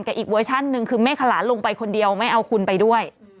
อีกเวอร์ชันหนึ่งคือเมฆขลาลงไปคนเดียวไม่เอาคุณไปด้วย